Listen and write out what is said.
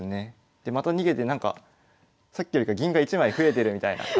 でまた逃げてなんかさっきよりか銀が１枚増えてるみたいな感じで。